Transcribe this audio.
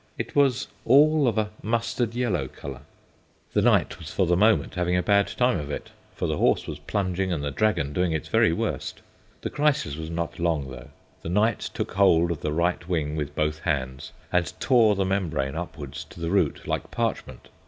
It was all of a mustard yellow colour. The knight was for the moment having a bad time of it, for the horse was plunging and the dragon doing its very worst. The crisis was not long, though. The knight took hold of the right wing with both hands and tore the membrane upwards to the root, like parchment.